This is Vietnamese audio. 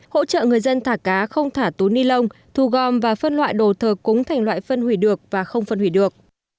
hỗ trợ người dân thả cá không thả túi ni lông thu gom và phân loại đồ thờ cúng thành loại phân hủy được và không phân hủy được